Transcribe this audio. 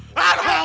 aduh aneh aneh aneh